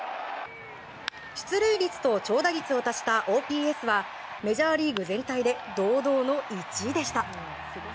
出塁率と長打率を足したＯＰＳはメジャーリーグ全体で堂々の１位でした。